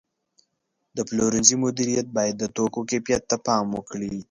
د پلورنځي مدیریت باید د توکو کیفیت ته پام وکړي.